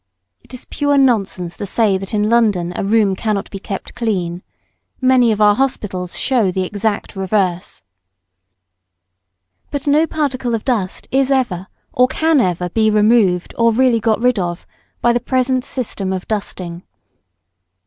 It is pure nonsense to say that in London a room cannot be kept clean. Many of our hospitals show the exact reverse. [Sidenote: Dust never removed now.] But no particle of dust is ever or can ever be removed or really got rid of by the present system of dusting.